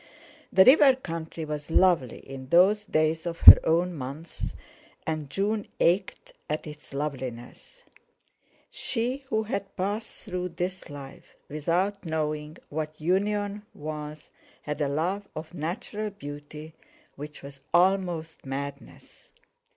The river country was lovely in those days of her own month, and June ached at its loveliness. She who had passed through this life without knowing what union was had a love of natural beauty which was almost madness.